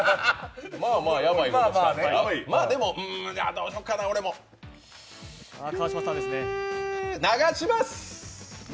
どうしようかな、俺も流します。